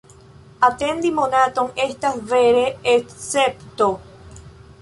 Atendi monaton estas vere escepto!